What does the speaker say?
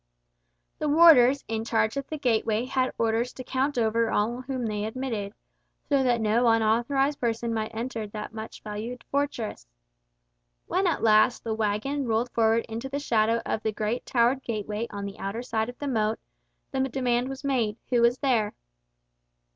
The warders in charge of the gateway had orders to count over all whom they admitted, so that no unauthorised person might enter that much valued fortress. When at length the waggon rolled forward into the shadow of the great towered gateway on the outer side of the moat, the demand was made, who was there?